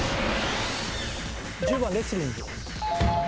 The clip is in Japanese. １０番レスリング。